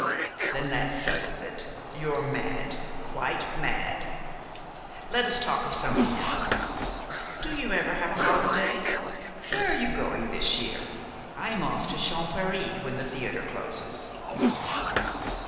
"Then that settles it. You're mad, quite mad! Let us talk of something else. Do you ever have a holiday? Where are you going this year? I'm off to Champèry when the theater closes."